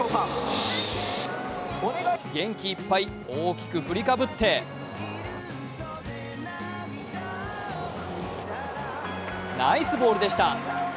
元気いっぱい、大きく振りかぶってナイスボールでした。